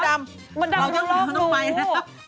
มดรำเราอย่างน้าทำไม